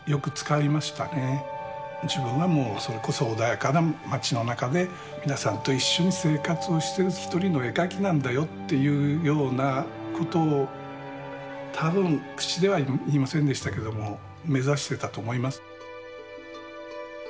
自分はそれこそ穏やかな町の中で皆さんと一緒に生活をしている一人の絵描きなんだよっていうようなことを多分口では言いませんでしたけれども目指してたと思います。